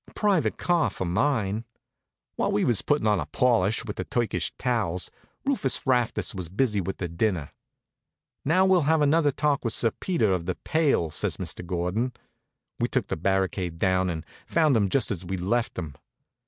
A private car for mine. While we was puttin' on a polish with the Turkish towels, Rufus Rastus was busy with the dinner. "Now, we'll have another talk with Sir Peter of the Pail," says Mr. Gordon. We took the barricade down, and found him just as we'd left him.